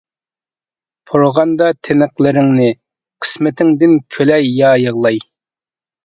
پۇرىغاندا تىنىقلىرىڭنى، قىسمىتىڭدىن كۈلەي يا يىغلاي.